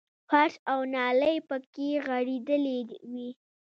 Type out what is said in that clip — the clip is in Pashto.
فرش او نالۍ پکې غړېدلې وې.